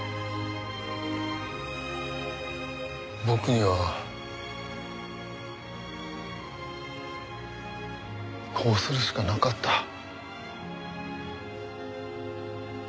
僕にはこうするしかなかった。